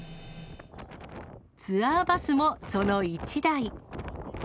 ツアーバスもその１台。